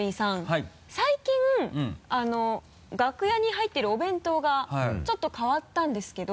最近楽屋に入ってるお弁当がちょっと変わったんですけど。